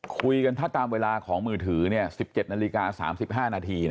คุยกันถ้าตามเวลาของมือถือ๑๗นาฬิกา๓๕นาที